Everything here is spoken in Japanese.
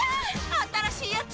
新しいやつ！